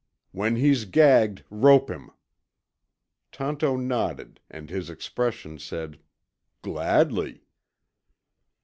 "When he's gagged, rope him." Tonto nodded and his expression said, "Gladly."